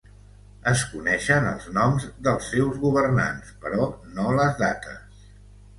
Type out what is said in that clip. Es coneixen els noms dels seus governants però no les dates.